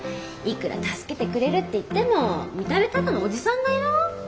いくら助けてくれるっていっても見た目ただのおじさんだよ？